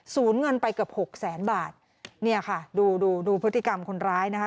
เงินไปเกือบหกแสนบาทเนี่ยค่ะดูดูดูพฤติกรรมคนร้ายนะคะ